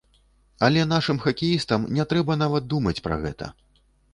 Але нашым хакеістам не трэба нават думаць пра гэта!